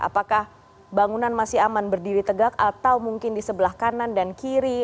apakah bangunan masih aman berdiri tegak atau mungkin di sebelah kanan dan kiri